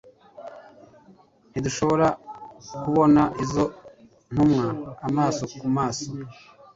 Ntidushobora kubona izo ntumwa amaso ku maso,